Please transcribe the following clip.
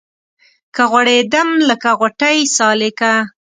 که غوړېدم لکه غوټۍ سالکه